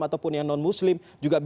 ataupun yang non muslim